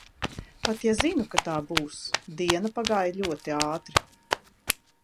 Pat ja zinu, ka tā būs. Diena pagāja ļoti ātri.